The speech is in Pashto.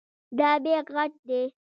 دا بیک غټ دی.